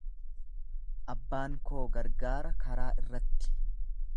Abbaan koo gargaara karaa irratti.